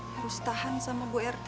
harus tahan sama bu rt